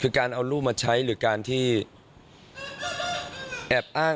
คือการเอารูปมาใช้หรือการที่แอบอ้าง